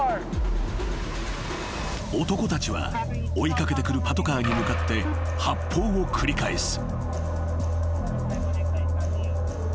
［男たちは追い掛けてくるパトカーに向かって発砲を繰り返す］